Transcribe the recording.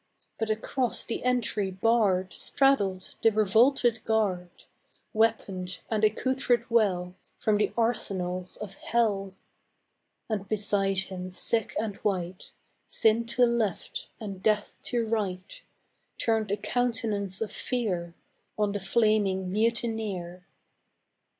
But across the entry barred Straddled the revolted guard, Weaponed and accoutred well From the arsenals of hell; And beside him, sick and white, Sin to left and Death to right Turned a countenance of fear On the flaming mutineer.